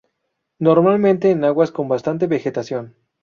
Normalmente en aguas con bastante vegetación.